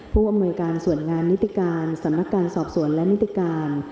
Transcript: ผู้อำนวยการส่วนงานนิติการสำนักการสอบสวนและนิติการ